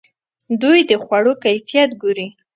دوی د خوړو کیفیت ګوري.